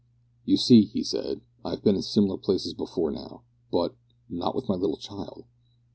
"You see," he said, "I have been in similar places before now, but not with my little child!"